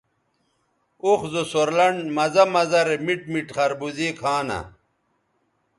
اوخ زو سور لنڈ مزہ مزہ رے میٹ میٹ خربوزے کھانہ